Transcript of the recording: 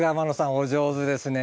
お上手ですね。